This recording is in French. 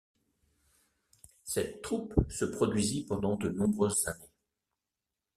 Cette troupe se produisit pendant de nombreuses années.